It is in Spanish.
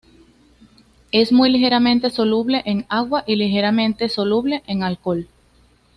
Es muy ligeramente soluble en agua y ligeramente soluble en alcohol.